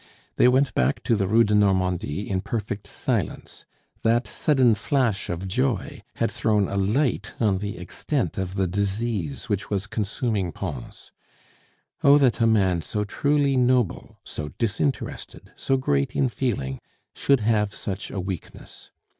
They went back to the Rue de Normandie in perfect silence; that sudden flash of joy had thrown a light on the extent of the disease which was consuming Pons. Oh, that a man so truly noble, so disinterested, so great in feeling, should have such a weakness!...